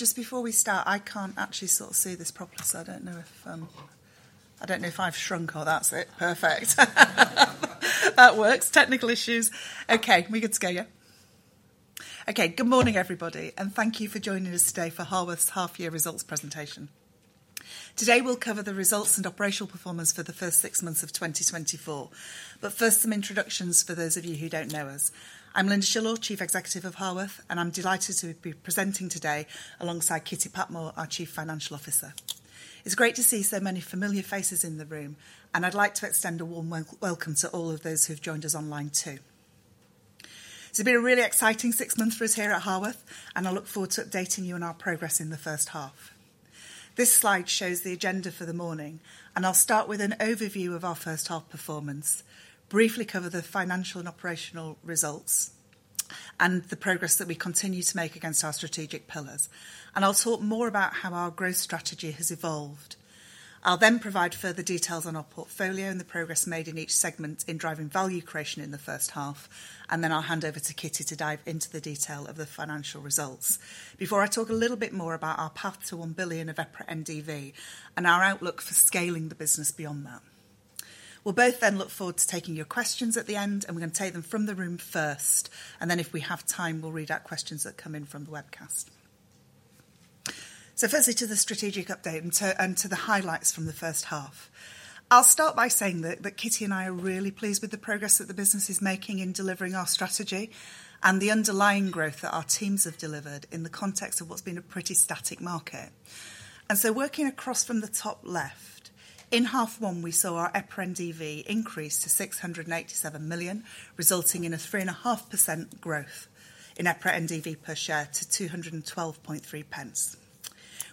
Just before we start, I can't actually sort of see this properly, so I don't know if, I don't know if I've shrunk or that's it. Perfect. That works. Technical issues. Okay, we're good to go, yeah? Okay, good morning, everybody, and thank you for joining us today for Harworth's Half Year Results Presentation. Today, we'll cover the results and operational performance for the first six months of 2024. But first, some introductions for those of you who don't know us. I'm Lynda Shillaw, Chief Executive of Harworth, and I'm delighted to be presenting today alongside Kitty Patmore, our Chief Financial Officer. It's great to see so many familiar faces in the room, and I'd like to extend a warm welcome to all of those who've joined us online, too. It's been a really exciting six months for us here at Harworth, and I look forward to updating you on our progress in the first half. This slide shows the agenda for the morning, and I'll start with an overview of our first half performance, briefly cover the financial and operational results, and the progress that we continue to make against our strategic pillars, and I'll talk more about how our growth strategy has evolved. I'll then provide further details on our portfolio and the progress made in each segment in driving value creation in the first half, and then I'll hand over to Kitty to dive into the detail of the financial results. Before I talk a little bit more about our path to 1 billion of EPRA NDV and our outlook for scaling the business beyond that. We'll both then look forward to taking your questions at the end, and we're gonna take them from the room first, and then if we have time, we'll read out questions that come in from the webcast. Firstly, to the strategic update and to the highlights from the first half. I'll start by saying that Kitty and I are really pleased with the progress that the business is making in delivering our strategy and the underlying growth that our teams have delivered in the context of what's been a pretty static market. Working across from the top left, in half one, we saw our EPRA NDV increase to 687 million, resulting in a 3.5% growth in EPRA NDV per share to 2.12.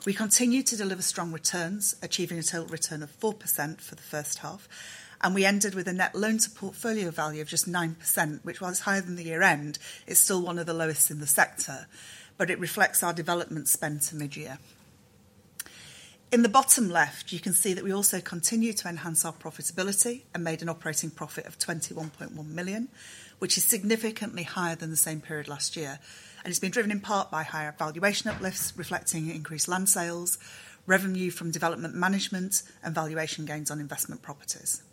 We continued to deliver strong returns, achieving a total return of 4% for the first half, and we ended with a net loan to portfolio value of just 9%, which, while it's higher than the year-end, is still one of the lowest in the sector, but it reflects our development spend to mid-year. In the bottom left, you can see that we also continued to enhance our profitability and made an operating profit of 21.1 million, which is significantly higher than the same period last year, and it's been driven in part by higher valuation uplifts, reflecting increased land sales, revenue from development management, and valuation gains on investment properties.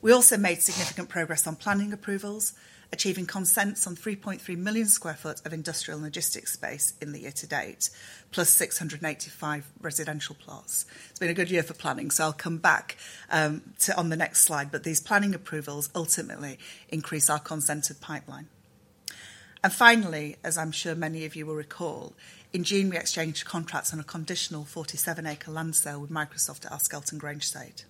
We also made significant progress on planning approvals, achieving consents on 3.3 million sq ft of industrial and logistics space in the year to date, +685 residential plots. It's been a good year for planning, so I'll come back, to on the next slide, but these planning approvals ultimately increase our consented pipeline, and finally, as I'm sure many of you will recall, in June, we exchanged contracts on a conditional 47-acre land sale with Microsoft at our Skelton Grange site.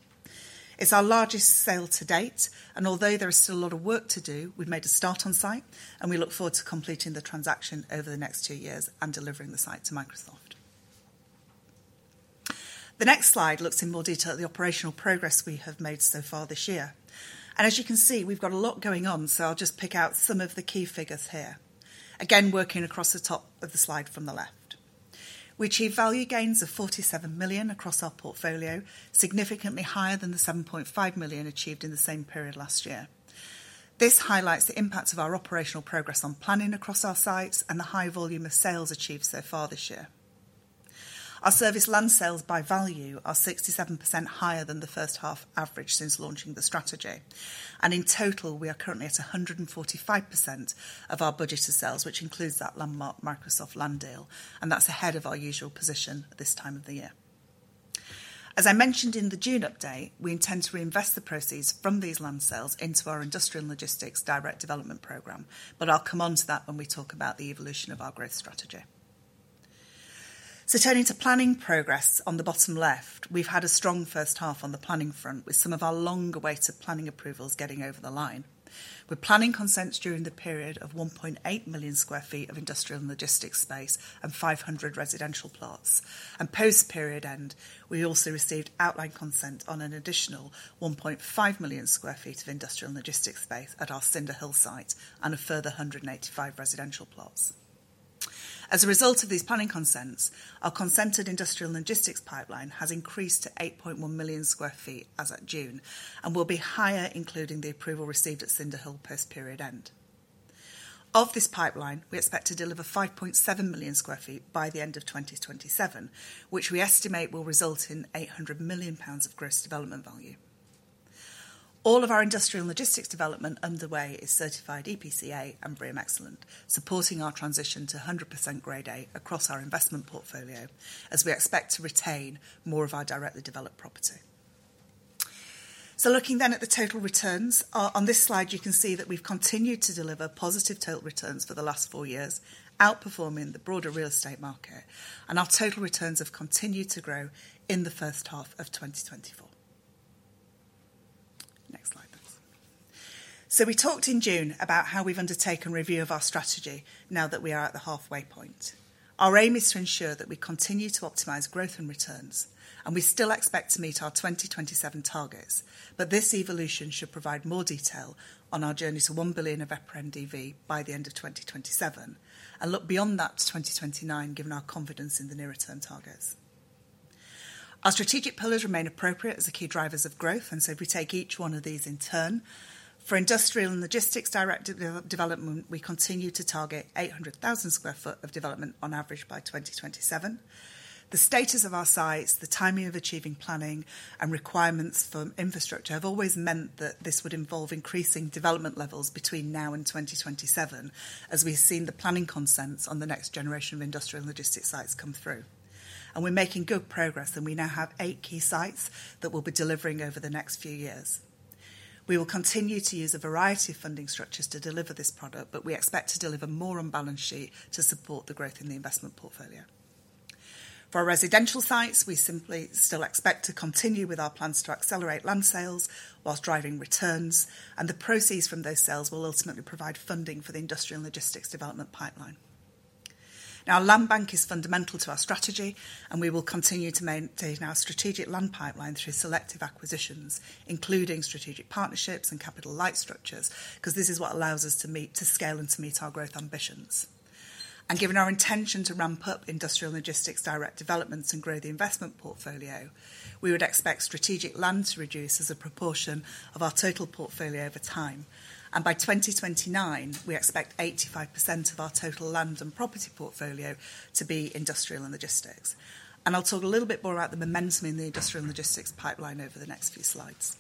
It's our largest sale to date, and although there is still a lot of work to do, we've made a start on site, and we look forward to completing the transaction over the next two years and delivering the site to Microsoft. The next slide looks in more detail at the operational progress we have made so far this year, and as you can see, we've got a lot going on, so I'll just pick out some of the key figures here. Again, working across the top of the slide from the left. We achieved value gains of 47 million across our portfolio, significantly higher than the 7.5 million achieved in the same period last year. This highlights the impact of our operational progress on planning across our sites and the high volume of sales achieved so far this year. Our serviced land sales by value are 67% higher than the first half average since launching the strategy, and in total, we are currently at 145% of our budgeted sales, which includes that landmark Microsoft land deal, and that's ahead of our usual position at this time of the year. As I mentioned in the June update, we intend to reinvest the proceeds from these land sales into our industrial and logistics direct development program, but I'll come on to that when we talk about the evolution of our growth strategy. Turning to planning progress on the bottom left, we've had a strong first half on the planning front, with some of our longer waits of planning approvals getting over the line. With planning consents during the period of 1.8 million sq ft of industrial and logistics space and 500 residential plots, and post-period end, we also received outline consent on an additional 1.5 million sq ft of industrial and logistics space at our Cinderhill site and a further 185 residential plots. As a result of these planning consents, our consented industrial and logistics pipeline has increased to 8.1 million sq ft as at June and will be higher, including the approval received at Cinderhill post-period end. Of this pipeline, we expect to deliver 5.7 million sq ft by the end of 2027, which we estimate will result in 800 million pounds of gross development value. All of our industrial and logistics development underway is certified EPC A and BREEAM Excellent, supporting our transition to 100% Grade A across our investment portfolio, as we expect to retain more of our directly developed property. Looking then at the total returns, on this slide, you can see that we've continued to deliver positive total returns for the last four years, outperforming the broader real estate market, and our total returns have continued to grow in the first half of 2024. Next slide, please. We talked in June about how we've undertaken review of our strategy now that we are at the halfway point. Our aim is to ensure that we continue to optimize growth and returns, and we still expect to meet our 2027 targets, but this evolution should provide more detail on our journey to 1 billion of EPRA NDV by the end of 2027 and look beyond that to 2029, given our confidence in the near-term targets. Our strategic pillars remain appropriate as the key drivers of growth, and so if we take each one of these in turn. For industrial and logistics directed development, we continue to target 800,000 sq ft of development on average by 2027. The status of our sites, the timing of achieving planning, and requirements for infrastructure have always meant that this would involve increasing development levels between now and 2027, as we've seen the planning consents on the next generation of industrial and logistics sites come through. We're making good progress, and we now have eight key sites that we'll be delivering over the next few years. We will continue to use a variety of funding structures to deliver this product, but we expect to deliver more on balance sheet to support the growth in the investment portfolio. For our residential sites, we simply still expect to continue with our plans to accelerate land sales while driving returns, and the proceeds from those sales will ultimately provide funding for the industrial and logistics development pipeline. Now, our land bank is fundamental to our strategy, and we will continue to maintain our strategic land pipeline through selective acquisitions, including strategic partnerships and capital-light structures, 'cause this is what allows us to meet, to scale and to meet our growth ambitions, and given our intention to ramp up industrial logistics, direct developments, and grow the investment portfolio, we would expect strategic land to reduce as a proportion of our total portfolio over time, and by 2029, we expect 85% of our total land and property portfolio to be industrial and logistics, and I'll talk a little bit more about the momentum in the industrial logistics pipeline over the next few slides.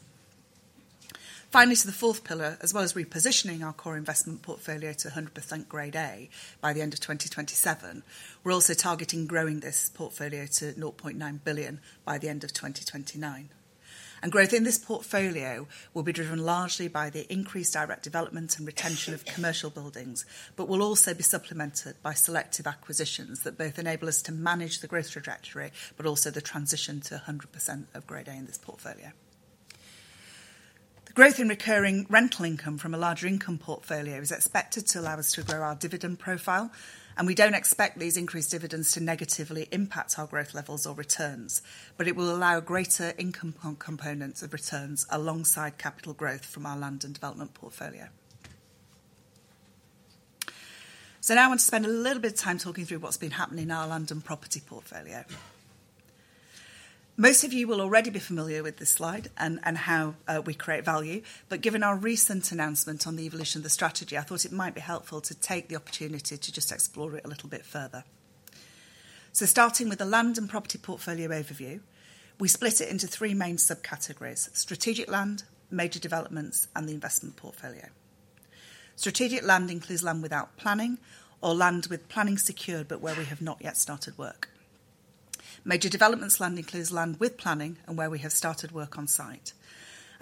Finally, to the fourth pillar, as well as repositioning our core investment portfolio to 100% Grade A by the end of 2027, we're also targeting growing this portfolio to 0.9 billion by the end of 2029. And growth in this portfolio will be driven largely by the increased direct development and retention of commercial buildings, but will also be supplemented by selective acquisitions that both enable us to manage the growth trajectory, but also the transition to 100% Grade A in this portfolio. The growth in recurring rental income from a larger income portfolio is expected to allow us to grow our dividend profile, and we don't expect these increased dividends to negatively impact our growth levels or returns, but it will allow greater income components of returns alongside capital growth from our land and development portfolio. So now I want to spend a little bit of time talking through what's been happening in our land and property portfolio. Most of you will already be familiar with this slide and how we create value, but given our recent announcement on the evolution of the strategy, I thought it might be helpful to take the opportunity to just explore it a little bit further. So starting with the land and property portfolio overview, we split it into three main subcategories: strategic land, major developments, and the investment portfolio. Strategic land includes land without planning or land with planning secured, but where we have not yet started work. Major developments land includes land with planning and where we have started work on site.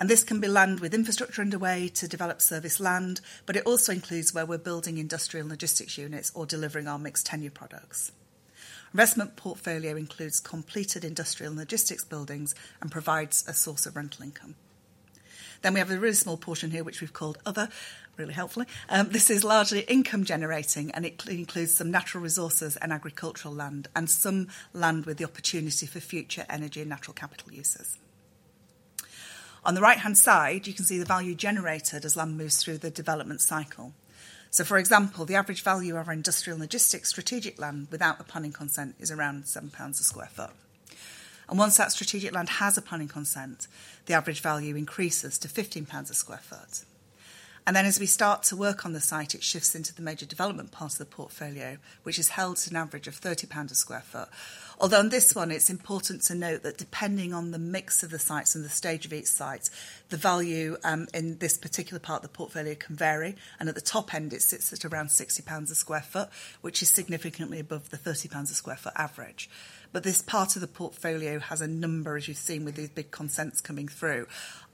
This can be land with infrastructure underway to develop serviced land, but it also includes where we're building industrial and logistics units or delivering our mixed tenure products. Investment portfolio includes completed industrial and logistics buildings and provides a source of rental income. We have a really small portion here, which we've called Other, really helpfully. This is largely income generating, and it includes some natural resources and agricultural land, and some land with the opportunity for future energy and natural capital uses. On the right-hand side, you can see the value generated as land moves through the development cycle. For example, the average value of our industrial logistics strategic land without the planning consent is around 7 pounds/sq ft. Once that strategic land has a planning consent, the average value increases to 15 pounds/sq ft. As we start to work on the site, it shifts into the major development part of the portfolio, which is held to an average of 30 pounds/sq ft. Although on this one, it's important to note that depending on the mix of the sites and the stage of each site, the value in this particular part of the portfolio can vary, and at the top end, it sits at around 60 pounds/sq ft, which is significantly above the 30 pounds/sq ft average. But this part of the portfolio has a number, as you've seen with these big consents coming through,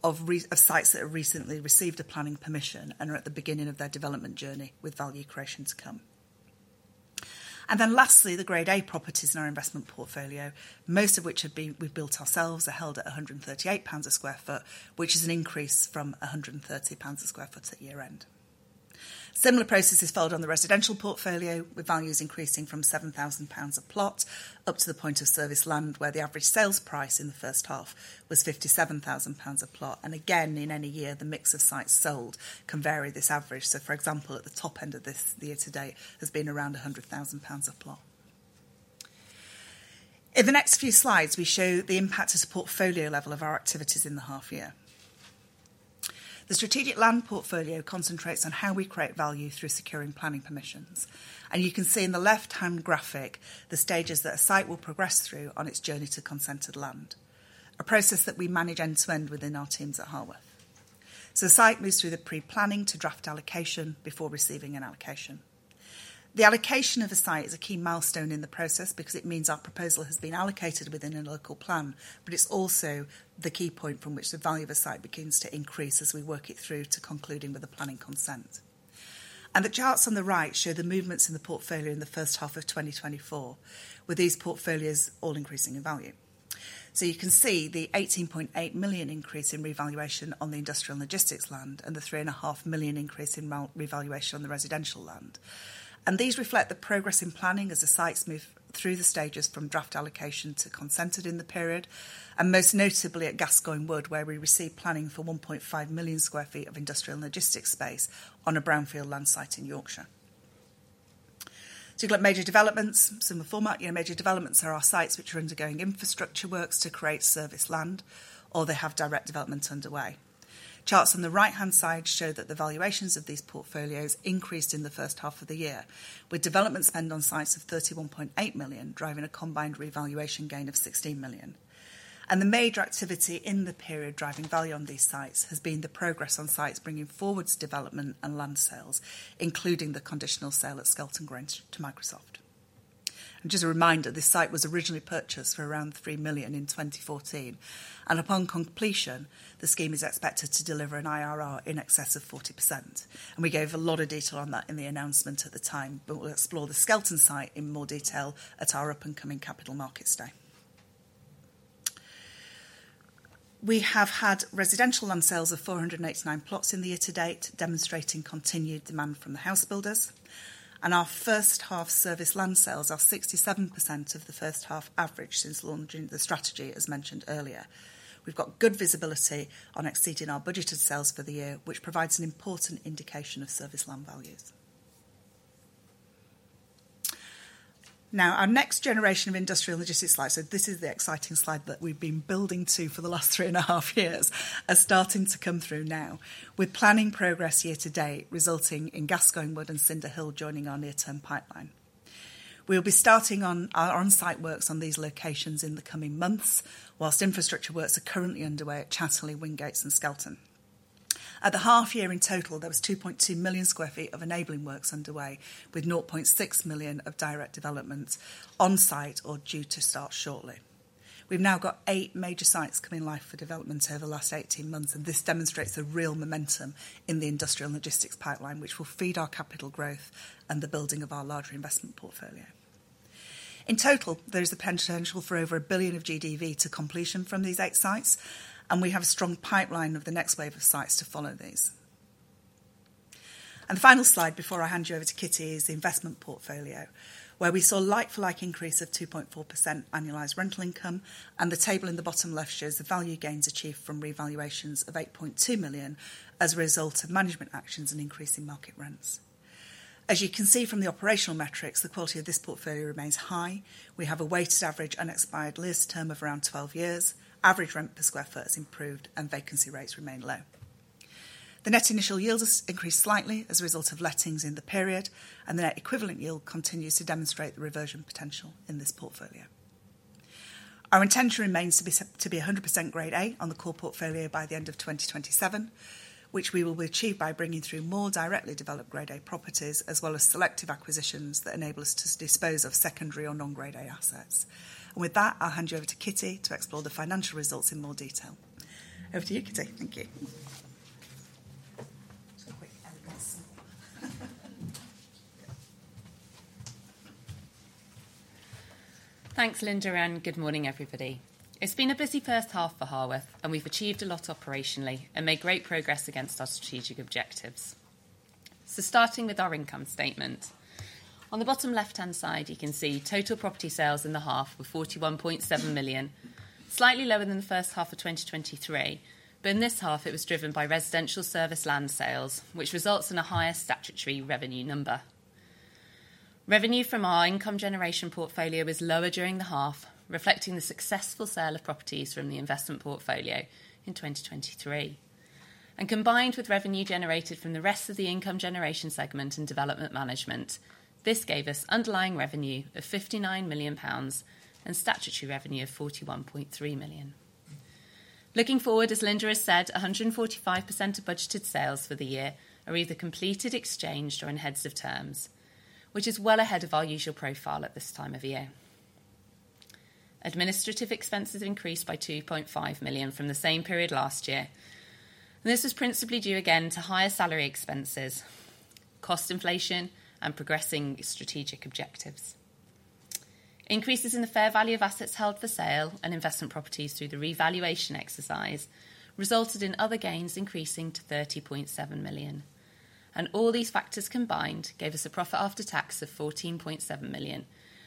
of sites that have recently received a planning permission and are at the beginning of their development journey with value creation to come. And then lastly, the Grade A properties in our investment portfolio, most of which have been, we've built ourselves, are held at 138 pounds/sq ft, which is an increase from 130 pounds/sq ft at year-end. Similar processes followed on the residential portfolio, with values increasing from 7,000 pounds a plot, up to the point of serviced land, where the average sales price in the first half was 57,000 pounds a plot. And again, in any year, the mix of sites sold can vary this average. So for example, at the top end of this year to date, has been around 100,000 pounds a plot. In the next few slides, we show the impact to support portfolio level of our activities in the half year. The strategic land portfolio concentrates on how we create value through securing planning permissions. And you can see in the left-hand graphic, the stages that a site will progress through on its journey to consented land, a process that we manage end to end within our teams at Harworth. So the site moves through the pre-planning to draft allocation before receiving an allocation. The allocation of a site is a key milestone in the process because it means our proposal has been allocated within a local plan, but it's also the key point from which the value of a site begins to increase as we work it through to concluding with the planning consent. And the charts on the right show the movements in the portfolio in the first half of 2024, with these portfolios all increasing in value. So you can see the 18.8 million increase in revaluation on the industrial logistics land and the 3.5 million increase in revaluation on the residential land. And these reflect the progress in planning as the sites move through the stages from draft allocation to consented in the period, and most notably at Gascoigne Wood, where we received planning for 1.5 million sq ft of industrial logistics space on a brownfield land site in Yorkshire. So you've got major developments, similar format. You know, major developments are our sites which are undergoing infrastructure works to create serviced land, or they have direct developments underway. Charts on the right-hand side show that the valuations of these portfolios increased in the first half of the year, with development spend on sites of 31.8 million, driving a combined revaluation gain of 16 million. The major activity in the period driving value on these sites has been the progress on sites bringing forwards development and land sales, including the conditional sale at Skelton Grange to Microsoft. Just a reminder, this site was originally purchased for around 3 million in 2014, and upon completion, the scheme is expected to deliver an IRR in excess of 40%. We gave a lot of detail on that in the announcement at the time, but we'll explore the Skelton site in more detail at our up-and-coming Capital Markets Day. We have had residential land sales of 489 plots in the year to date, demonstrating continued demand from the house builders. Our first half serviced land sales are 67% of the first half average since launching the strategy, as mentioned earlier. We've got good visibility on exceeding our budgeted sales for the year, which provides an important indication of serviced land values. Now, our next generation of industrial logistics sites, so this is the exciting slide that we've been building to for the last three and a half years, are starting to come through now, with planning progress year to date, resulting in Gascoigne Wood and Cinderhill joining our near-term pipeline. We'll be starting on our on-site works on these locations in the coming months, while infrastructure works are currently underway at Chatterley, Wingates, and Skelton. At the half year in total, there was 2.2 million sq ft of enabling works underway, with 0.6 million of direct developments on site or due to start shortly. We've now got eight major sites coming live for development over the last eighteen months, and this demonstrates a real momentum in the industrial logistics pipeline, which will feed our capital growth and the building of our larger investment portfolio. In total, there is the potential for over 1 billion of GDV to completion from these eight sites, and we have a strong pipeline of the next wave of sites to follow these. And the final slide before I hand you over to Kitty is the investment portfolio, where we saw a like-for-like increase of 2.4% annualized rental income, and the table in the bottom left shows the value gains achieved from revaluations of 8.2 million as a result of management actions and increasing market rents. As you can see from the operational metrics, the quality of this portfolio remains high. We have a weighted average unexpired lease term of around 12 years. Average rent per sq ft has improved, and vacancy rates remain low. The net initial yield has increased slightly as a result of lettings in the period, and the net equivalent yield continues to demonstrate the reversion potential in this portfolio. Our intention remains to be 100% Grade A on the core portfolio by the end of 2027, which we will achieve by bringing through more directly developed Grade A properties, as well as selective acquisitions that enable us to dispose of secondary or non-Grade A assets. And with that, I'll hand you over to Kitty to explore the financial results in more detail. Over to you, Kitty. Thank you. Just a quick exit. Thanks, Lynda, and good morning, everybody. It's been a busy first half for Harworth, and we've achieved a lot operationally and made great progress against our strategic objectives, so starting with our income statement. On the bottom left-hand side, you can see total property sales in the half were 41.7 million, slightly lower than the first half of 2023, but in this half, it was driven by residential serviced land sales, which results in a higher statutory revenue number. Revenue from our income generation portfolio was lower during the half, reflecting the successful sale of properties from the investment portfolio in 2023, and combined with revenue generated from the rest of the income generation segment and development management, this gave us underlying revenue of 59 million pounds and statutory revenue of 41.3 million. Looking forward, as Lynda has said, 145% of budgeted sales for the year are either completed, exchanged, or in heads of terms, which is well ahead of our usual profile at this time of year. Administrative expenses increased by 2.5 million from the same period last year. This is principally due again to higher salary expenses, cost inflation, and progressing strategic objectives. Increases in the fair value of assets held for sale and investment properties through the revaluation exercise resulted in other gains increasing to GBP 30.7 million. And all these factors combined gave us a profit after tax of GBP 14.7 million,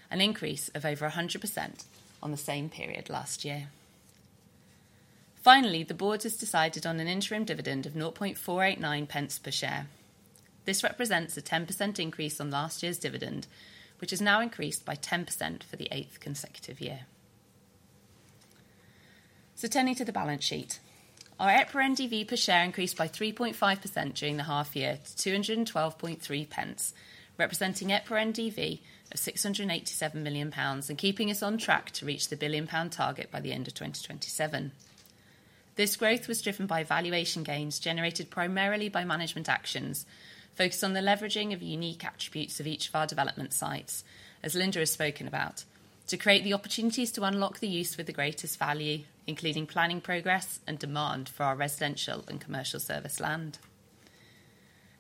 an increase of over 100% on the same period last year. Finally, the board has decided on an interim dividend of 0.489 per share. This represents a 10% increase on last year's dividend, which has now increased by 10% for the eighth consecutive year. Turning to the balance sheet. Our EPRA NDV per share increased by 3.5% during the half year to 2.123, representing EPRA NDV of GBP 687 million, and keeping us on track to reach the 1 billion pound target by the end of 2027. This growth was driven by valuation gains generated primarily by management actions, focused on the leveraging of unique attributes of each of our development sites, as Lynda has spoken about, to create the opportunities to unlock the use with the greatest value, including planning progress and demand for our residential and commercial serviced land.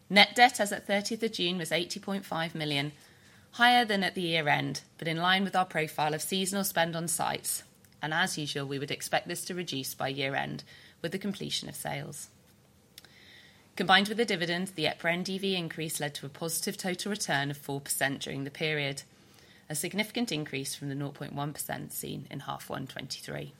Net debt as at thirtieth of June was 80.5 million, higher than at the year-end, but in line with our profile of seasonal spend on sites, and as usual, we would expect this to reduce by year-end with the completion of sales. Combined with the dividend, the EPRA NDV increase led to a positive total return of 4% during the period, a significant increase from the 0.1% seen in half one, 2023.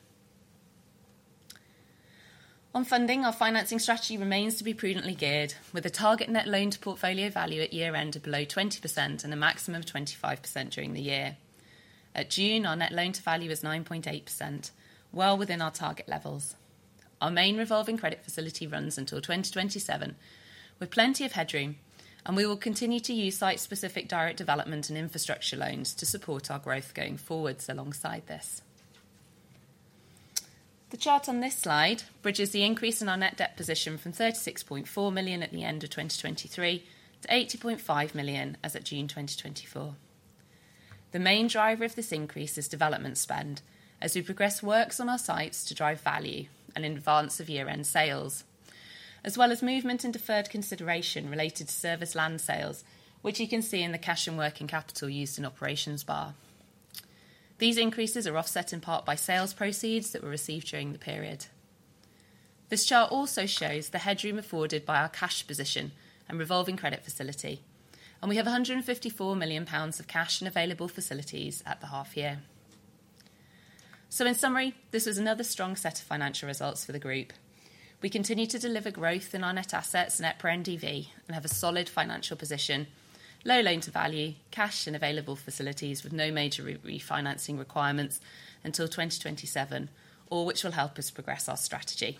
On funding, our financing strategy remains to be prudently geared, with a target net loan to portfolio value at year end of below 20% and a maximum of 25% during the year. At June, our net loan to value is 9.8%, well within our target levels. Our main revolving credit facility runs until 2027, with plenty of headroom, and we will continue to use site-specific direct development and infrastructure loans to support our growth going forwards alongside this. The chart on this slide bridges the increase in our net debt position from 36.4 million at the end of 2023 to 80.5 million as at June 2024. The main driver of this increase is development spend, as we progress works on our sites to drive value and in advance of year-end sales, as well as movement in deferred consideration related to serviced land sales, which you can see in the cash and working capital used in operations bar. These increases are offset in part by sales proceeds that were received during the period. This chart also shows the headroom afforded by our cash position and revolving credit facility, and we have 154 million pounds of cash and available facilities at the half year. So in summary, this is another strong set of financial results for the group. We continue to deliver growth in our net assets, net per NDV, and have a solid financial position, low loan to value, cash and available facilities with no major refinancing requirements until 2027, all which will help us progress our strategy.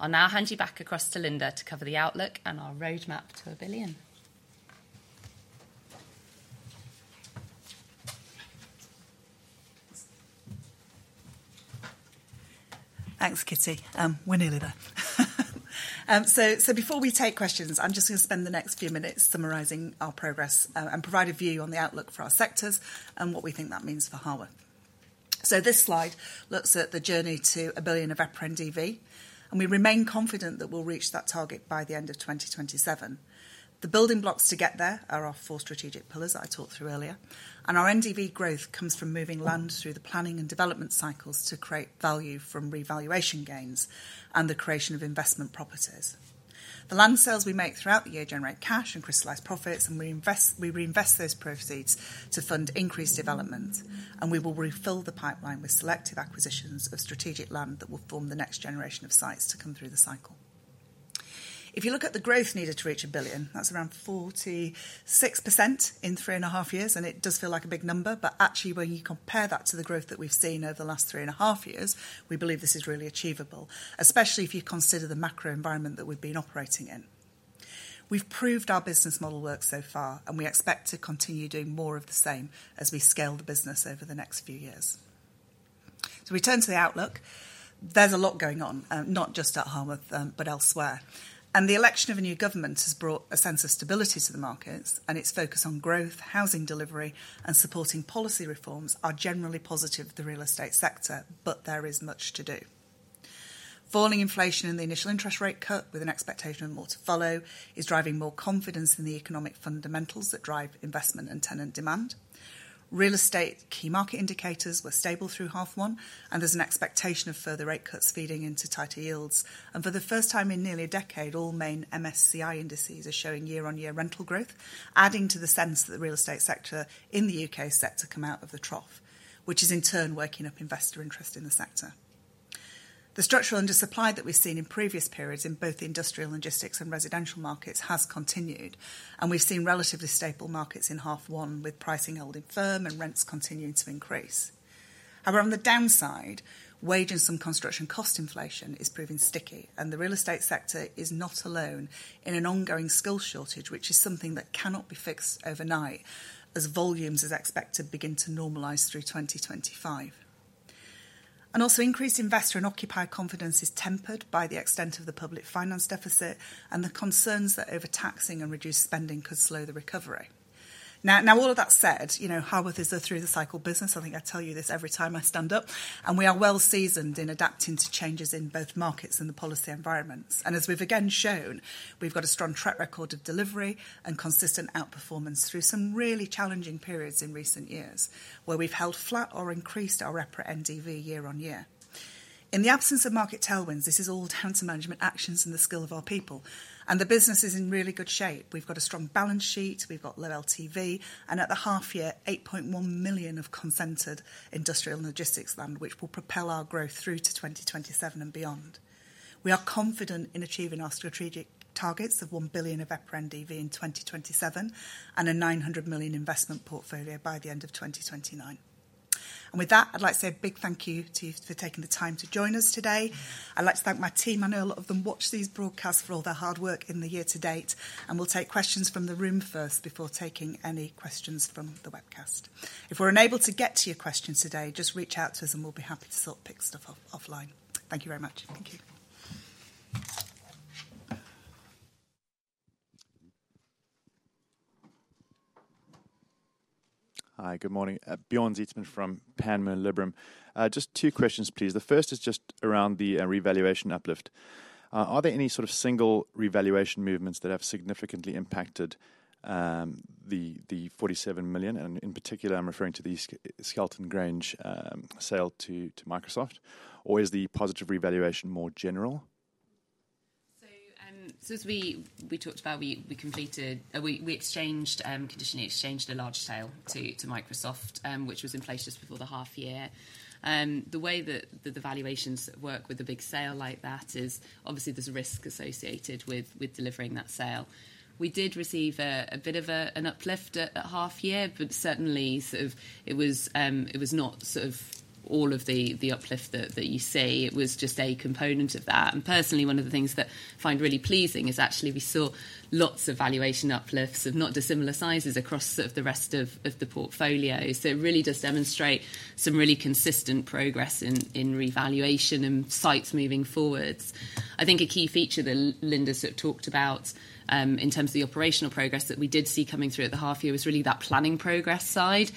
I'll now hand you back across to Lynda to cover the outlook and our roadmap to a billion. Thanks, Kitty. We're nearly there. So before we take questions, I'm just gonna spend the next few minutes summarizing our progress, and provide a view on the outlook for our sectors and what we think that means for Harworth. So this slide looks at the journey to 1 billion of EPRA NDV, and we remain confident that we'll reach that target by the end of 2027. The building blocks to get there are our four strategic pillars that I talked through earlier, and our NDV growth comes from moving land through the planning and development cycles to create value from revaluation gains and the creation of investment properties. The land sales we make throughout the year generate cash and crystallize profits, and we reinvest those proceeds to fund increased development, and we will refill the pipeline with selective acquisitions of strategic land that will form the next generation of sites to come through the cycle. If you look at the growth needed to reach 1 billion, that's around 46% in three and a half years, and it does feel like a big number, but actually, when you compare that to the growth that we've seen over the last three and a half years, we believe this is really achievable, especially if you consider the macro environment that we've been operating in. We've proved our business model works so far, and we expect to continue doing more of the same as we scale the business over the next few years. So we turn to the outlook. There's a lot going on, not just at Harworth, but elsewhere, and the election of a new government has brought a sense of stability to the markets, and its focus on growth, housing delivery, and supporting policy reforms are generally positive to the real estate sector, but there is much to do. Falling inflation and the initial interest rate cut, with an expectation of more to follow, is driving more confidence in the economic fundamentals that drive investment and tenant demand. Real estate key market indicators were stable through half one, and there's an expectation of further rate cuts feeding into tighter yields. For the first time in nearly a decade, all main MSCI indices are showing year-on-year rental growth, adding to the sense that the real estate sector in the U.K. is set to come out of the trough, which is in turn working up investor interest in the sector. The structural undersupply that we've seen in previous periods in both the industrial logistics and residential markets has continued, and we've seen relatively stable markets in half one, with pricing holding firm and rents continuing to increase. However, on the downside, wages and construction cost inflation is proving sticky, and the real estate sector is not alone in an ongoing skill shortage, which is something that cannot be fixed overnight as volumes, as expected, begin to normalize through 2025. And also, increased investor and occupier confidence is tempered by the extent of the public finance deficit and the concerns that overtaxing and reduced spending could slow the recovery. Now, all of that said, you know, Harworth is a through-the-cycle business. I think I tell you this every time I stand up, and we are well seasoned in adapting to changes in both markets and the policy environments. And as we've again shown, we've got a strong track record of delivery and consistent outperformance through some really challenging periods in recent years, where we've held flat or increased our EPRA NDV year on year. In the absence of market tailwinds, this is all down to management actions and the skill of our people, and the business is in really good shape. We've got a strong balance sheet, we've got low LTV, and at the half year, 8.1 million of consented industrial and logistics land, which will propel our growth through to 2027 and beyond. We are confident in achieving our strategic targets of 1 billion of EPRA NDV in 2027 and a 900 million investment portfolio by the end of 2029. And with that, I'd like to say a big thank you to you for taking the time to join us today. I'd like to thank my team, I know a lot of them watch these broadcasts, for all their hard work in the year to date, and we'll take questions from the room first before taking any questions from the webcast. If we're unable to get to your questions today, just reach out to us and we'll be happy to sort pick stuff up offline. Thank you very much. Thank you. Hi, good morning. Bjorn Zietsman from Panmure Liberum. Just two questions, please. The first is just around the revaluation uplift. Are there any sort of single revaluation movements that have significantly impacted the 47 million? And in particular, I'm referring to the Skelton Grange sale to Microsoft. Or is the positive revaluation more general? So, as we talked about, we completed, we exchanged conditionally a large sale to Microsoft, which was in place just before the half year. The way that the valuations work with a big sale like that is obviously there's a risk associated with delivering that sale. We did receive a bit of an uplift at half year, but certainly, sort of, it was not sort of all of the uplift that you see. It was just a component of that. And personally, one of the things that I find really pleasing is actually we saw lots of valuation uplifts of not dissimilar sizes across sort of the rest of the portfolio. So it really does demonstrate some really consistent progress in revaluation and sites moving forwards. I think a key feature that Lynda sort of talked about, in terms of the operational progress that we did see coming through at the half year, was really that planning progress side.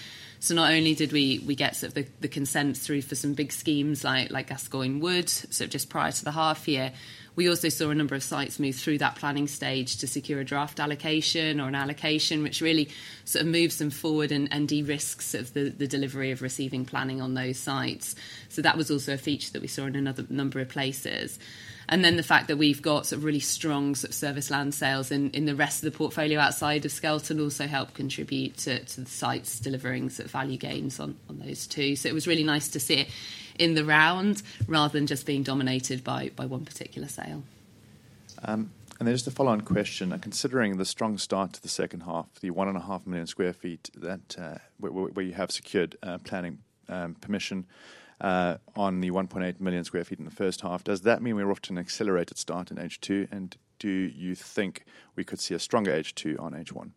So not only did we get sort of the consents through for some big schemes like Gascoigne Wood, so just prior to the half year, we also saw a number of sites move through that planning stage to secure a draft allocation or an allocation, which really sort of moves them forward and de-risks the delivery of receiving planning on those sites. So that was also a feature that we saw in another number of places. And then the fact that we've got sort of really strong serviced land sales in the rest of the portfolio outside of Skelton also helped contribute to the sites delivering sort of value gains on those too. So it was really nice to see it in the round, rather than just being dominated by one particular sale. There's the follow-on question. Considering the strong start to the second half, the 1.5 million sq ft that, where you have secured planning permission on the 1.8 million sq ft in the first half, does that mean we're off to an accelerated start in H2? And do you think we could see a stronger H2 on H1?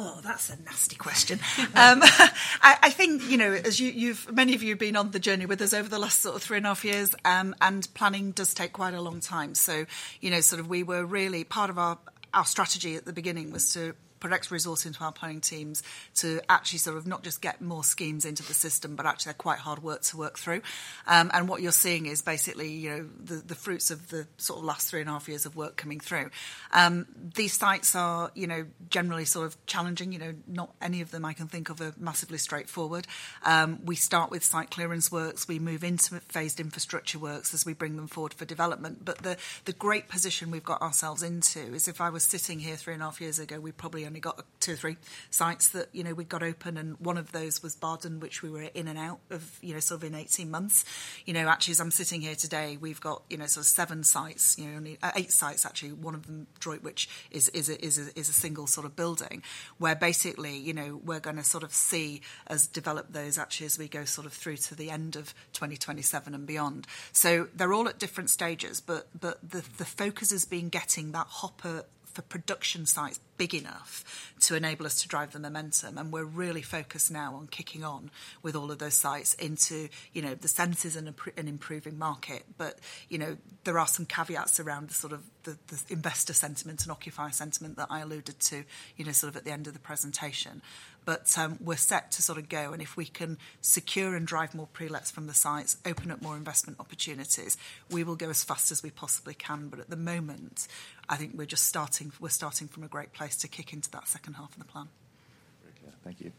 Oh, that's a nasty question. I think, you know, as you've-- many of you have been on the journey with us over the last sort of three and a half years, and planning does take quite a long time, so you know, sort of we were really, part of our strategy at the beginning was to put extra resource into our planning teams to actually sort of not just get more schemes into the system, but actually they're quite hard work to work through, and what you're seeing is basically, you know, the fruits of the sort of last three and a half years of work coming through. These sites are, you know, generally sort of challenging, you know, not any of them I can think of are massively straightforward. We start with site clearance works, we move into phased infrastructure works as we bring them forward for development. But the great position we've got ourselves into is, if I was sitting here three and a half years ago, we probably only got two or three sites that, you know, we'd got open, and one of those was Bardon, which we were in and out of, you know, sort of in 18 months. You know, actually, as I'm sitting here today, we've got, you know, sort of seven sites, you know, only eight sites, actually, one of them, Droitwich, is a single sort of building, where basically, you know, we're gonna sort of see us develop those actually as we go sort of through to the end of 2027 and beyond. So they're all at different stages, but the focus has been getting that hopper for production sites big enough to enable us to drive the momentum, and we're really focused now on kicking on with all of those sites into, you know, this is an improving market. But, you know, there are some caveats around the sort of investor sentiment and occupier sentiment that I alluded to, you know, sort of at the end of the presentation. But we're set to sort of go, and if we can secure and drive more prelets from the sites, open up more investment opportunities, we will go as fast as we possibly can. But at the moment, I think we're just starting, we're starting from a great place to kick into that second half of the plan. Very clear. Thank you.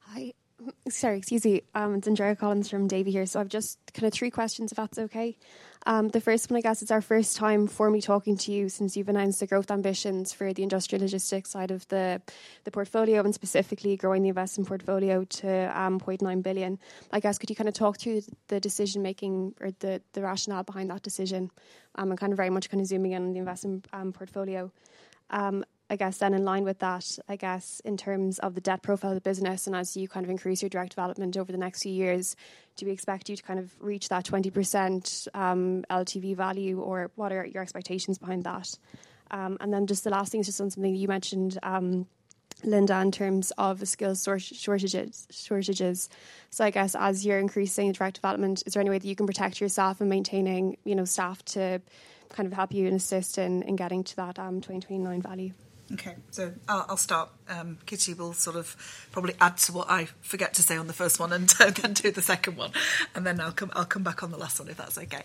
Hi. Sorry, excuse me. It's Andrea Collins from Davy here. So I've just kind of three questions, if that's okay. The first one, I guess, it's our first time formally talking to you since you've announced the growth ambitions for the industrial logistics side of the portfolio, and specifically growing the investment portfolio to 0.9 billion. I guess, could you kind of talk through the decision-making or the rationale behind that decision? And kind of very much kind of zooming in on the investment portfolio. I guess then in line with that, I guess, in terms of the debt profile of the business, and as you kind of increase your direct development over the next few years, do we expect you to kind of reach that 20% LTV value, or what are your expectations behind that? And then just the last thing is just on something you mentioned, Lynda, in terms of the skills shortages. So I guess as you're increasing direct development, is there any way that you can protect yourself in maintaining, you know, staff to kind of help you and assist in getting to that 2029 value? Okay, so I'll start. Kitty will sort of probably add to what I forget to say on the first one, and then do the second one. And then I'll come back on the last one, if that's okay.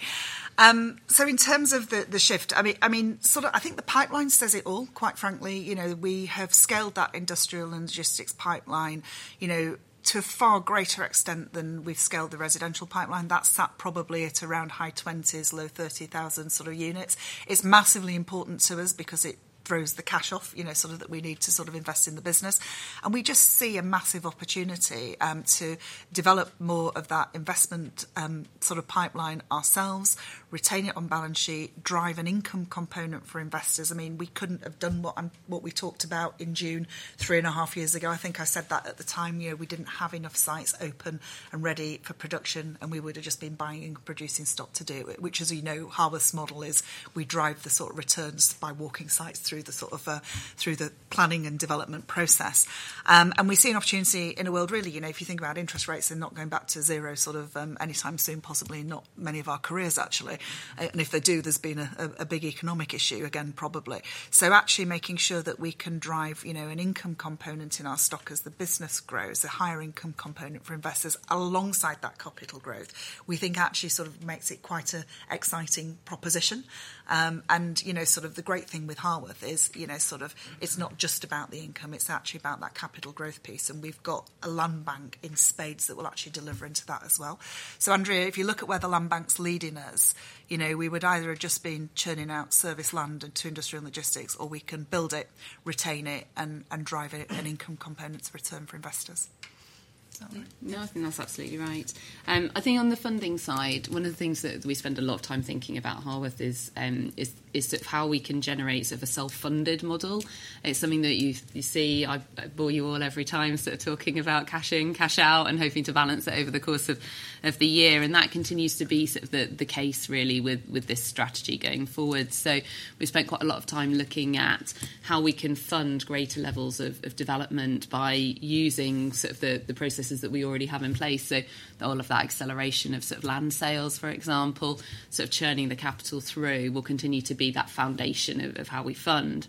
So in terms of the shift, I mean, sort of, I think the pipeline says it all, quite frankly. You know, we have scaled that industrial and logistics pipeline, you know, to a far greater extent than we've scaled the residential pipeline. That's sat probably at around high 20s, low 30,000 sort of units. It's massively important to us because it throws the cash off, you know, sort of that we need to sort of invest in the business, and we just see a massive opportunity to develop more of that investment sort of pipeline ourselves, retain it on balance sheet, drive an income component for investors. I mean, we couldn't have done what what we talked about in June, three and a half years ago. I think I said that at the time, you know, we didn't have enough sites open and ready for production, and we would have just been buying and producing stock to do it, which, as you know, Harworth's model is we drive the sort of returns by walking sites through the sort of through the planning and development process. And we see an opportunity in a world, really, you know, if you think about interest rates. They're not going back to zero, sort of, anytime soon, possibly not many of our careers, actually. And if they do, there's been a big economic issue, again, probably, so actually making sure that we can drive, you know, an income component in our stock as the business grows, a higher income component for investors alongside that capital growth, we think actually sort of makes it quite an exciting proposition. And, you know, sort of the great thing with Harworth is, you know, sort of, it's not just about the income, it's actually about that capital growth piece, and we've got a land bank in spades that will actually deliver into that as well. So, Andrea, if you look at where the land bank's leading us, you know, we would either have just been churning out serviced land into industrial logistics, or we can build it, retain it, and, and drive it an income component's return for investors. No, I think that's absolutely right. I think on the funding side, one of the things that we spend a lot of time thinking about Harworth is sort of how we can generate sort of a self-funded model. It's something that you see, I bore you all every time sort of talking about cash in, cash out, and hoping to balance it over the course of the year, and that continues to be sort of the case really with this strategy going forward. So we've spent quite a lot of time looking at how we can fund greater levels of development by using sort of the processes that we already have in place. So all of that acceleration of sort of land sales, for example, sort of churning the capital through, will continue to be that foundation of how we fund.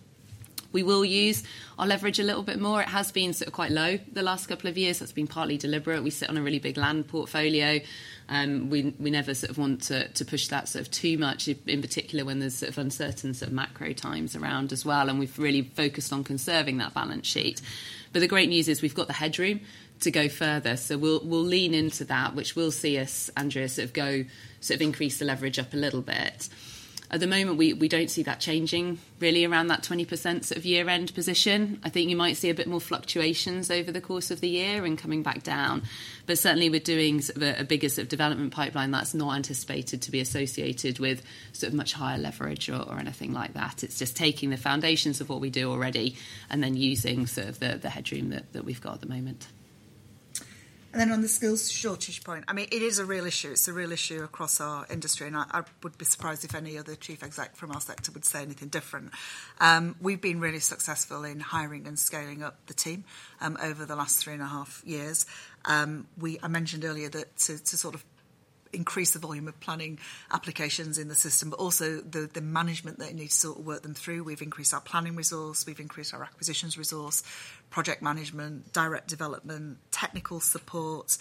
We will use our leverage a little bit more. It has been sort of quite low the last couple of years. That's been partly deliberate. We sit on a really big land portfolio, we never sort of want to push that sort of too much, in particular, when there's sort of uncertain sort of macro times around as well, and we've really focused on conserving that balance sheet. But the great news is we've got the headroom to go further, so we'll lean into that, which will see us, Andrea, sort of go, sort of increase the leverage up a little bit. At the moment, we don't see that changing really around that 20% sort of year-end position. I think you might see a bit more fluctuations over the course of the year and coming back down, but certainly, we're doing sort of a bigger sort of development pipeline that's not anticipated to be associated with sort of much higher leverage or anything like that. It's just taking the foundations of what we do already and then using sort of the headroom that we've got at the moment. And then on the skills shortage point, I mean, it is a real issue. It's a real issue across our industry, and I would be surprised if any other chief exec from our sector would say anything different. We've been really successful in hiring and scaling up the team over the last three and a half years. I mentioned earlier that to sort of increase the volume of planning applications in the system, but also the management that needs to sort of work them through. We've increased our planning resource, we've increased our acquisitions resource, project management, direct development, technical support,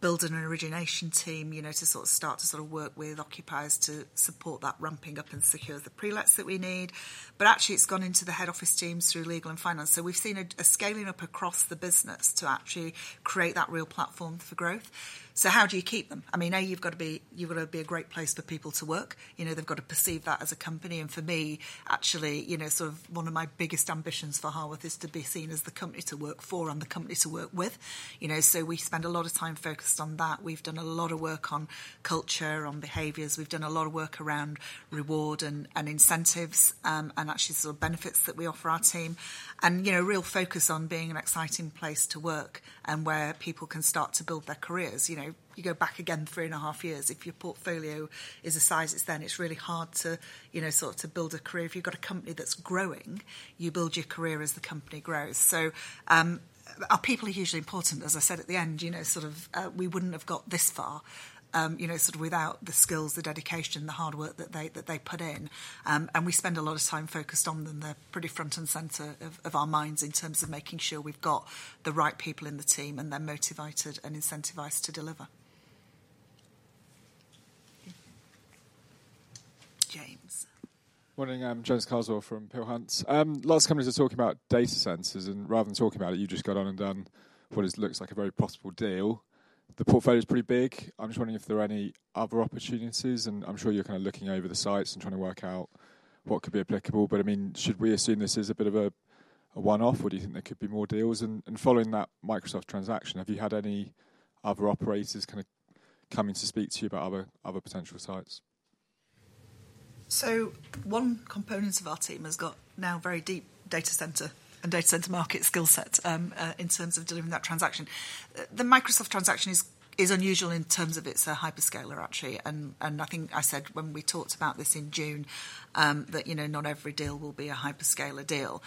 building an origination team, you know, to sort of start to sort of work with occupiers to support that ramping up and secure the pre-lets that we need. But actually, it's gone into the head office teams through legal and finance. So we've seen a scaling up across the business to actually create that real platform for growth. So how do you keep them? I mean, you've got to be, you've got to be a great place for people to work. You know, they've got to perceive that as a company, and for me, actually, you know, sort of one of my biggest ambitions for Harworth is to be seen as the company to work for and the company to work with. You know, so we spend a lot of time focused on that. We've done a lot of work on culture, on behaviors. We've done a lot of work around reward and incentives, and actually, sort of benefits that we offer our team. And, you know, real focus on being an exciting place to work and where people can start to build their careers. You know, you go back again three and a half years, if your portfolio is the size it's then, it's really hard to, you know, sort of to build a career. If you've got a company that's growing, you build your career as the company grows. So, our people are hugely important. As I said at the end, you know, sort of, we wouldn't have got this far, you know, sort of without the skills, the dedication, the hard work that they put in, and we spend a lot of time focused on them. They're pretty front and center of our minds in terms of making sure we've got the right people in the team, and they're motivated and incentivized to deliver. James? Morning, James Carswell from Peel Hunt. Lots of companies are talking about data centers, and rather than talking about it, you just got on and done what it looks like a very possible deal. The portfolio is pretty big. I'm just wondering if there are any other opportunities, and I'm sure you're kind of looking over the sites and trying to work out what could be applicable. But, I mean, should we assume this is a bit of a one-off, or do you think there could be more deals? And following that Microsoft transaction, have you had any other operators kind of coming to speak to you about other potential sites? So one component of our team has got now very deep data center and data center market skill set, in terms of delivering that transaction. The Microsoft transaction is unusual in terms of it's a hyperscaler, actually, and I think I said when we talked about this in June, that, you know, not every deal will be a hyperscaler deal.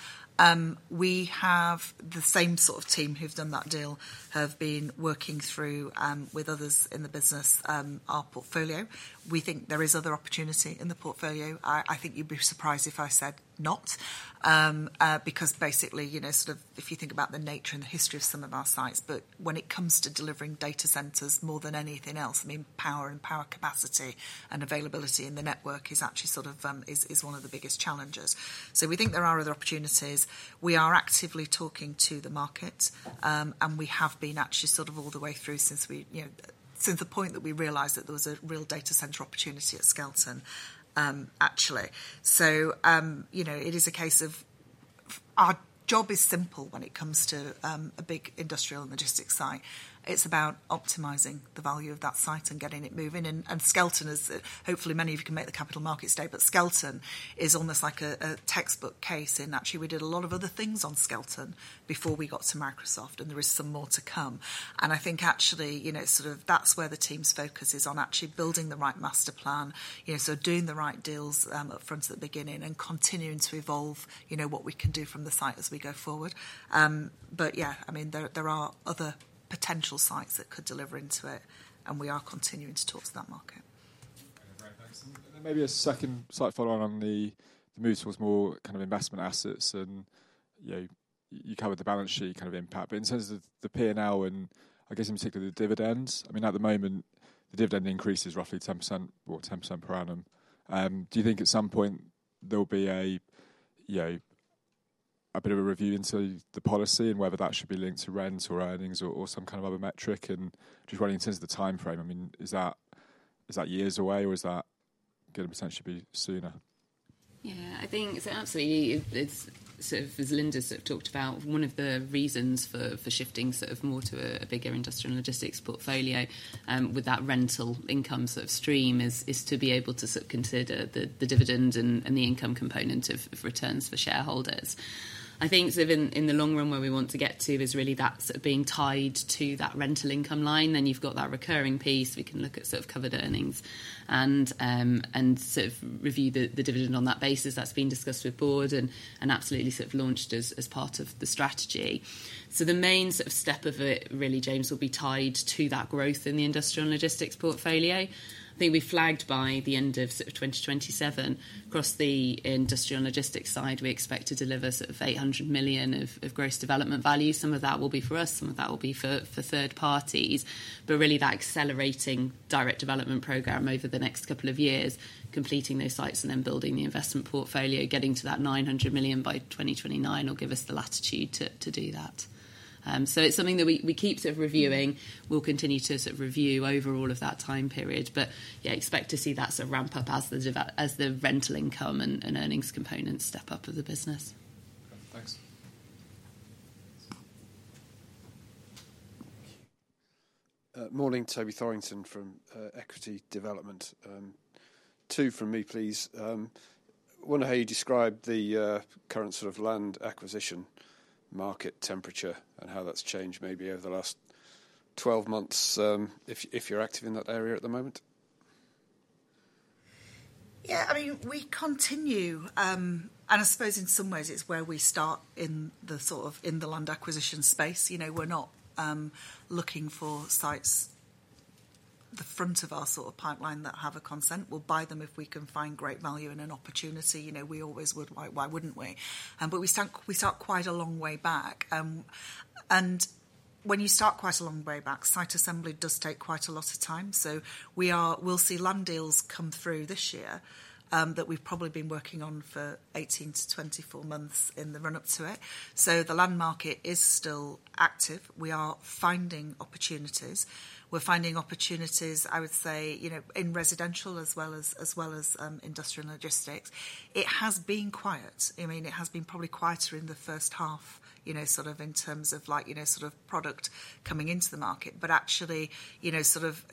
We have the same sort of team who've done that deal, have been working through, with others in the business, our portfolio. We think there is other opportunity in the portfolio. I think you'd be surprised if I said not, because basically, you know, sort of if you think about the nature and the history of some of our sites, but when it comes to delivering data centers, more than anything else, I mean, power and power capacity and availability in the network is actually sort of is one of the biggest challenges. So we think there are other opportunities. We are actively talking to the market, and we have been actually sort of all the way through since we, you know, since the point that we realized that there was a real data center opportunity at Skelton, actually. So, you know, it is a case of. Our job is simple when it comes to a big industrial and logistics site. It's about optimizing the value of that site and getting it moving, and Skelton is, hopefully, many of you can make the Capital Markets Day, but Skelton is almost like a textbook case, and actually, we did a lot of other things on Skelton before we got to Microsoft, and there is some more to come, and I think actually, you know, sort of that's where the team's focus is, on actually building the right master plan. You know, so doing the right deals up front at the beginning and continuing to evolve, you know, what we can do from the site as we go forward. But yeah, I mean, there are other potential sites that could deliver into it, and we are continuing to talk to that market. Great, thanks. And then maybe a second slight follow-on on the move towards more kind of investment assets and, you know, you covered the balance sheet kind of impact. But in terms of the P&L and I guess in particular, the dividends, I mean, at the moment, the dividend increase is roughly 10%, or 10% per annum. Do you think at some point there'll be a, you know, a bit of a review into the policy and whether that should be linked to rent or earnings or, or some kind of other metric? And just wondering in terms of the timeframe, I mean, is that years away or is that gonna potentially be sooner? Yeah, I think, so absolutely, it, it's sort of as Lynda sort of talked about, one of the reasons for, for shifting sort of more to a bigger industrial logistics portfolio, with that rental income sort of stream, is, is to be able to sort of consider the, the dividend and, and the income component of, of returns for shareholders. I think so in, in the long run, where we want to get to is really that sort of being tied to that rental income line, then you've got that recurring piece. We can look at sort of covered earnings and, and sort of review the, the dividend on that basis. That's been discussed with board and, and absolutely sort of launched as, as part of the strategy. So the main sort of step of it, really, James, will be tied to that growth in the industrial and logistics portfolio. I think we flagged by the end of sort of 2027, across the industrial and logistics side, we expect to deliver sort of 800 million of gross development value. Some of that will be for us, some of that will be for third parties. But really, that accelerating direct development programme over the next couple of years, completing those sites and then building the investment portfolio, getting to that 900 million by 2029, will give us the latitude to do that. So it's something that we keep sort of reviewing. We'll continue to sort of review over all of that time period, but yeah, expect to see that sort of ramp up as the rental income and earnings components step up as a business. Thanks. Morning, Toby Thorrington from Equity Development. Two from me, please. Wonder how you describe the current sort of land acquisition market temperature, and how that's changed maybe over the last 12 months, if you, if you're active in that area at the moment? Yeah, I mean, we continue, and I suppose in some ways it's where we start in the sort of, in the land acquisition space. You know, we're not looking for sites the front of our sort of pipeline that have a consent. We'll buy them if we can find great value and an opportunity. You know, we always would. Why, why wouldn't we? But we start quite a long way back. And when you start quite a long way back, site assembly does take quite a lot of time, so we are, we'll see land deals come through this year, that we've probably been working on for 18 to 24 months in the run-up to it. So the land market is still active. We are finding opportunities. We're finding opportunities, I would say, you know, in residential as well as industrial and logistics. It has been quiet. I mean, it has been probably quieter in the first half, you know, sort of in terms of like, you know, sort of product coming into the market. But actually, you know, sort of,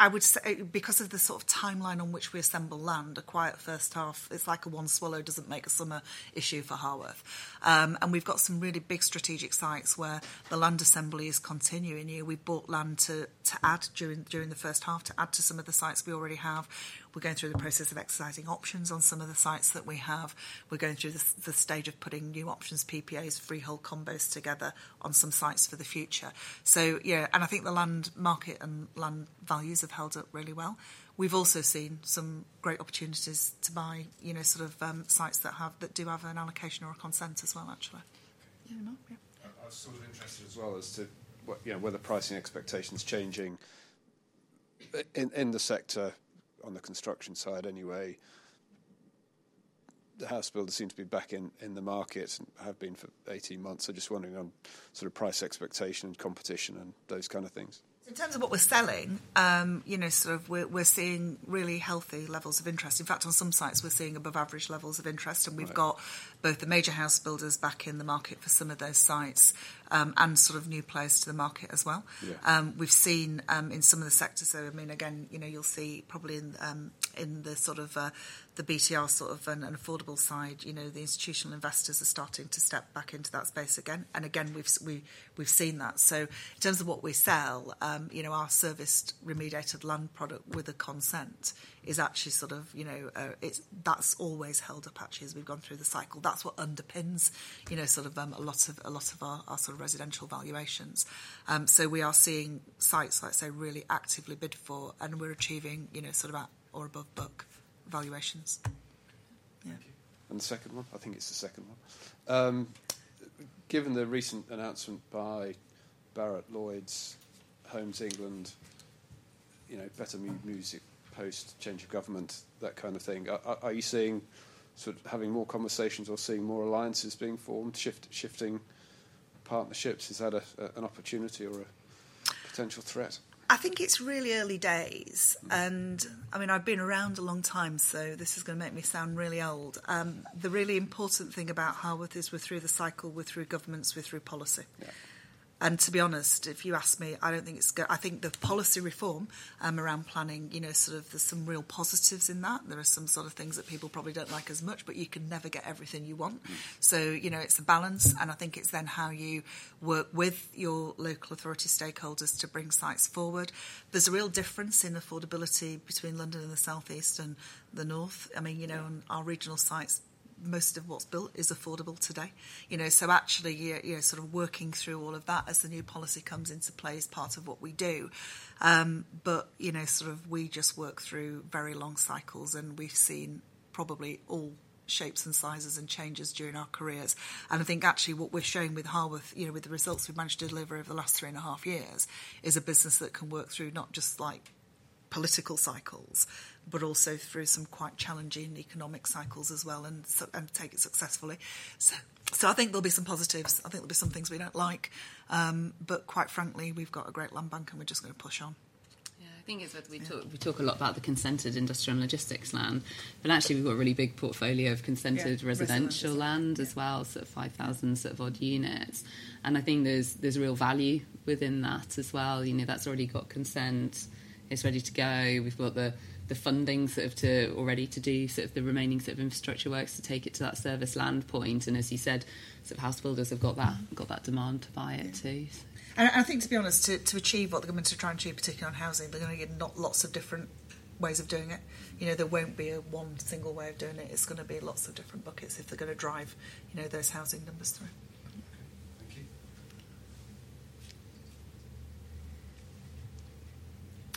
I would say, because of the sort of timeline on which we assemble land, a quiet first half, it's like a one swallow doesn't make a summer issue for Harworth. And we've got some really big strategic sites where the land assembly is continuing. You know, we bought land to add during the first half, to add to some of the sites we already have. We're going through the process of exercising options on some of the sites that we have. We're going through the stage of putting new options, PPAs, freehold combos together on some sites for the future. So yeah, and I think the land market and land values have held up really well. We've also seen some great opportunities to buy, you know, sort of, sites that have, that do have an allocation or a consent as well, actually. Yeah. I was sort of interested as well as to what were the pricing expectations changing in the sector on the construction side anyway? The house builders seem to be back in the market and have been for eighteen months. So just wondering on sort of price expectation and competition and those kind of things. In terms of what we're selling, you know, sort of we're seeing really healthy levels of interest. In fact, on some sites, we're seeing above average levels of interest and we've got both the major house builders back in the market for some of those sites, and sort of new players to the market as well. We've seen in some of the sectors, so I mean, again, you know, you'll see probably in, in the sort of, the BTR sort of and affordable side, you know, the institutional investors are starting to step back into that space again, and again, we've seen that. So in terms of what we sell, you know, our serviced, remediated land product with a consent is actually sort of, you know, that's always held up actually, as we've gone through the cycle. That's what underpins, you know, sort of, a lot of our sort of residential valuations. So we are seeing sites that are, say, really actively bid for, and we're achieving, you know, sort of at or above book valuations. Thank you. And the second one? I think it's the second one. Given the recent announcement by Barratt Developments, Homes England, you know, better news, post change of government, that kind of thing, are you seeing, sort of having more conversations or seeing more alliances being formed, shifting partnerships? Is that an opportunity or a potential threat? I think it's really early days, and, I mean, I've been around a long time, so this is gonna make me sound really old. The really important thing about Harworth is we're through the cycle, we're through governments, we're through policy. To be honest, if you ask me, I don't think it's. I think the policy reform around planning, you know, sort of there's some real positives in that. There are some sort of things that people probably don't like as much, but you can never get everything you want. So, you know, it's a balance, and I think it's then how you work with your local authority stakeholders to bring sites forward. There's a real difference in affordability between London and the South East and the North. I mean, you know, on our regional sites, most of what's built is affordable today. You know, so actually, yeah, you know, sort of working through all of that as the new policy comes into play is part of what we do. But, you know, sort of we just work through very long cycles, and we've seen probably all shapes and sizes and changes during our careers. And I think, actually, what we're showing with Harworth, you know, with the results we've managed to deliver over the last three and a half years, is a business that can work through not just, like, political cycles, but also through some quite challenging economic cycles as well and take it successfully. So, I think there'll be some positives, I think there'll be some things we don't like, but quite frankly, we've got a great land bank, and we're just gonna push on. I think is that we talk a lot about the consented industrial and logistics land, but actually we've got a really big portfolio of consented residential land as well, so 5,000 sort of odd units. And I think there's real value within that as well. You know, that's already got consent. It's ready to go. We've got the funding sort of to already do sort of the remaining sort of infrastructure works to take it to that serviced land point. And as you said, sort of house builders have got that demand to buy it, too. I think, to be honest, to achieve what the government is trying to achieve, particularly on housing, they're gonna get not lots of different ways of doing it. You know, there won't be a one single way of doing it. It's gonna be lots of different buckets if they're gonna drive, you know, those housing numbers through.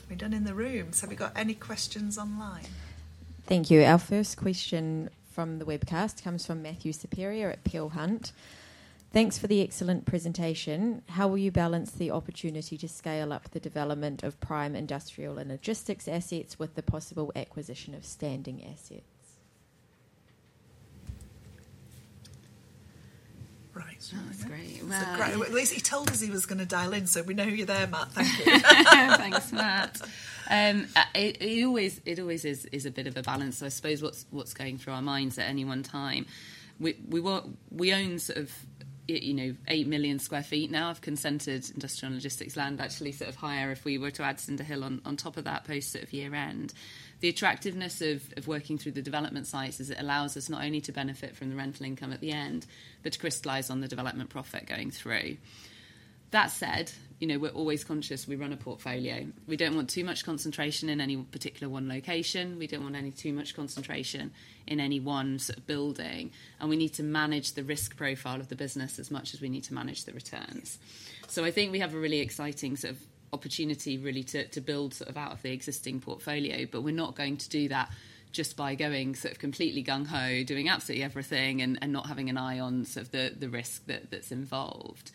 Thank you. Are we done in the room? So have we got any questions online? Thank you. Our first question from the webcast comes from Matthew Saperia at Peel Hunt: "Thanks for the excellent presentation. How will you balance the opportunity to scale up the development of prime industrial and logistics assets with the possible acquisition of standing assets? Right. Oh, that's great. Great. At least he told us he was gonna dial in, so we know you're there, Matt. Thank you. Thanks, Matt. It always is a bit of a balance. So I suppose what's going through our minds at any one time, we want. We own sort of, you know, 8 million sq ft now of consented industrial and logistics land, actually sort of higher if we were to add Cinderhill on top of that post sort of year-end. The attractiveness of working through the development sites is it allows us not only to benefit from the rental income at the end, but to crystallize on the development profit going through. That said, you know, we're always conscious we run a portfolio. We don't want too much concentration in any particular one location. We don't want any too much concentration in any one sort of building, and we need to manage the risk profile of the business as much as we need to manage the returns. So I think we have a really exciting sort of opportunity really to build sort of out of the existing portfolio, but we're not going to do that just by going sort of completely gung ho, doing absolutely everything and not having an eye on sort of the risk that's involved.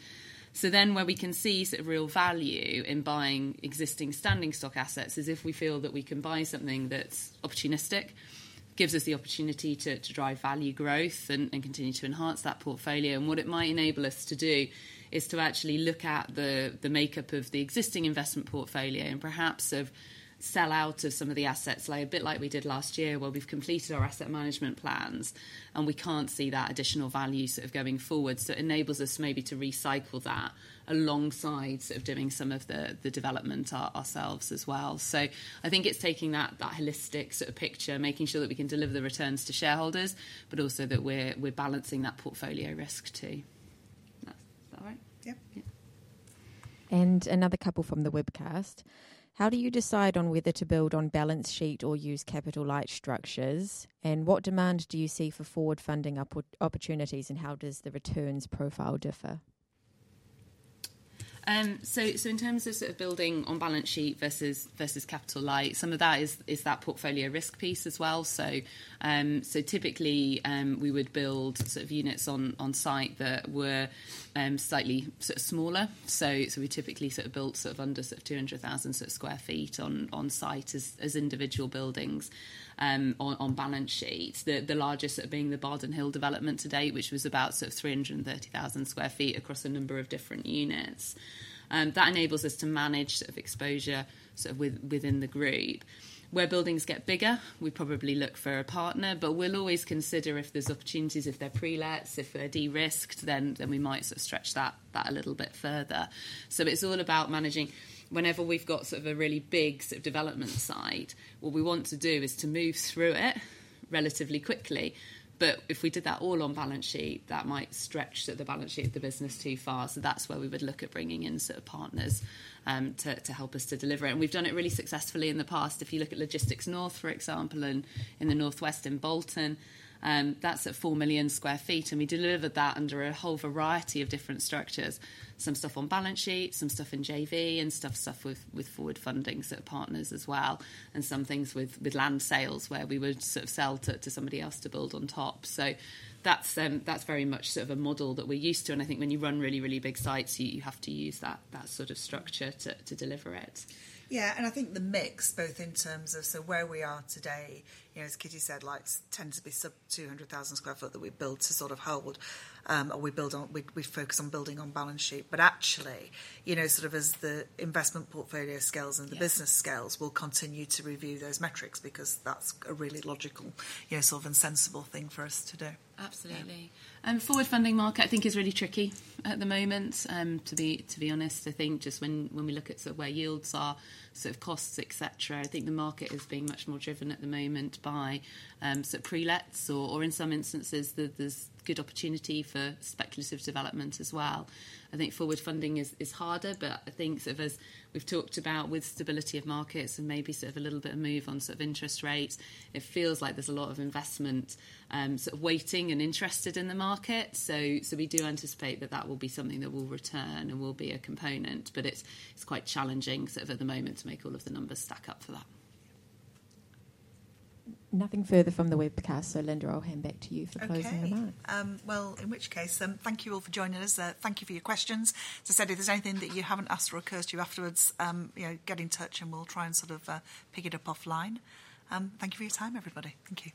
So then where we can see sort of real value in buying existing standing stock assets is if we feel that we can buy something that's opportunistic, gives us the opportunity to drive value growth and continue to enhance that portfolio. And what it might enable us to do is to actually look at the makeup of the existing investment portfolio and perhaps to sell out of some of the assets, like a bit like we did last year, where we've completed our asset management plans, and we can't see that additional value sort of going forward. So it enables us maybe to recycle that alongside sort of doing some of the development ourselves as well. So I think it's taking that holistic sort of picture, making sure that we can deliver the returns to shareholders, but also that we're balancing that portfolio risk, too. That. Is that all right? Yeah. Yeah. And another couple from the webcast: "How do you decide on whether to build on balance sheet or use capital-light structures? And what demand do you see for forward funding opportunities, and how does the returns profile differ? So in terms of sort of building on balance sheet versus capital light, some of that is that portfolio risk piece as well. So typically, we would build sort of units on site that were slightly sort of smaller. So we typically sort of built sort of under 200,000 sq ft on site as individual buildings on balance sheet. The largest sort of being the Bardon Hill development to date, which was about sort of 330,000 sq ft across a number of different units. That enables us to manage sort of exposure sort of within the group. Where buildings get bigger, we probably look for a partner, but we'll always consider if there's opportunities, if they're pre-lets, if they're de-risked, then we might sort of stretch that a little bit further, so it's all about managing. Whenever we've got sort of a really big sort of development site, what we want to do is to move through it relatively quickly, but if we did that all on balance sheet, that might stretch the balance sheet of the business too far, so that's where we would look at bringing in sort of partners to help us to deliver it, and we've done it really successfully in the past. If you look at Logistics North, for example, in the North West in Bolton, that's at 4 million sq ft, and we delivered that under a whole variety of different structures: some stuff on balance sheet, some stuff in JV, and stuff with forward funding sort of partners as well, and some things with land sales, where we would sort of sell to somebody else to build on top. So that's very much sort of a model that we're used to, and I think when you run really big sites, you have to use that sort of structure to deliver it. Yeah, and I think the mix, both in terms of sort of where we are today, you know, as Kitty said, likes tend to be sort of 200,000 sq ft that we build to sort of hold, and we focus on building on balance sheet. But actually, you know, sort of as the investment portfolio scales and the business scales, we'll continue to review those metrics because that's a really logical, you know, sort of and sensible thing for us to do. Absolutely. Yeah. Forward funding market, I think, is really tricky at the moment, to be honest. I think just when we look at sort of where yields are, sort of costs, et cetera, I think the market is being much more driven at the moment by sort of pre-lets or in some instances, there's good opportunity for speculative development as well. I think forward funding is harder, but I think sort of as we've talked about with stability of markets and maybe sort of a little bit of move on sort of interest rates, it feels like there's a lot of investment sort of waiting and interested in the market. So we do anticipate that will be something that will return and will be a component, but it's quite challenging sort of at the moment to make all of the numbers stack up for that. Nothing further from the webcast, so, Lynda, I'll hand back to you for closing remarks. Okay. In which case, thank you all for joining us. Thank you for your questions. As I said, if there's anything that you haven't asked or occurs to you afterwards, you know, get in touch, and we'll try and sort of pick it up offline. Thank you for your time, everybody. Thank you.